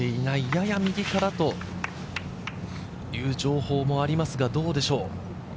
やや右からという情報もありますが、どうでしょう？